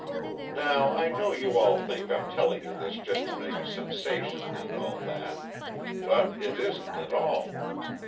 Now, I know you all think I'm telling this just to make a sensation and all that, but it isn't at all.